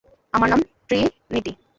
আমার নাম ট্রিনিটি।